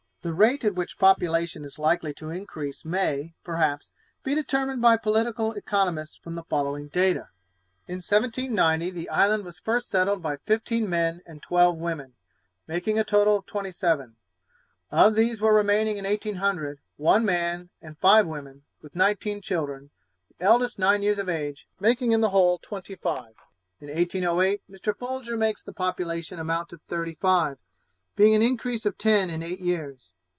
The rate at which population is likely to increase may, perhaps, be determined by political economists from the following data. In 1790 the island was first settled by fifteen men and twelve women, making a total of twenty seven. Of these were remaining in 1800, one man and five women, with nineteen children, the eldest nine years of age, making in the whole twenty five. In 1808, Mr. Folger makes the population amount to thirty five, being an increase of ten in eight years.